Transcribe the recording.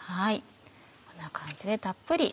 こんな感じでたっぷり。